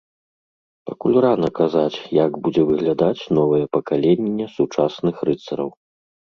Пакуль рана казаць, як будзе выглядаць новае пакаленне сучасных рыцараў.